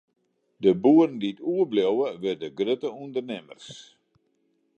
De boeren dy't oerbliuwe, wurde grutte ûndernimmers.